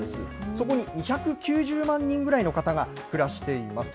そこに２９０万人ぐらいの方が暮らしています。